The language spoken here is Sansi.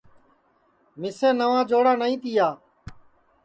مِسیں نواں جوڑا نائی تِیا